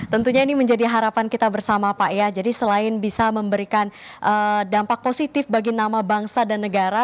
tentunya ini menjadi harapan kita bersama pak ya jadi selain bisa memberikan dampak positif bagi nama bangsa dan negara